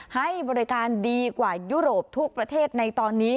ให้บริการดีกว่ายุโรปทุกประเทศในตอนนี้